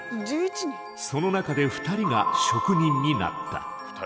その中で２人が職人になった。